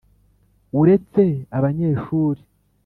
uretse abanyeshuri